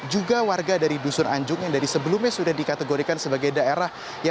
juga warga dari dusun anjung yang dari sebelumnya sudah dikategorikan sebagai daerah